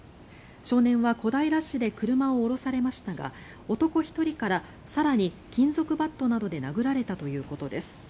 少年は小平市で車を降ろされましたが男１人から更に金属バットなどで殴られたということです。